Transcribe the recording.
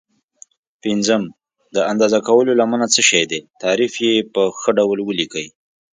پنځم: د اندازه کولو لمنه څه شي ده؟ تعریف یې په ښه ډول ولیکئ.